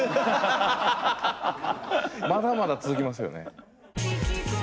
まだまだ続きますよね？